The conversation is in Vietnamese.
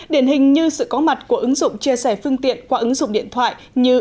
điển hình như sự có mặt của ứng dụng chia sẻ phương tiện qua ứng dụng điện thoại như